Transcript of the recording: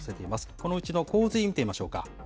このうちの洪水見てみましょうか。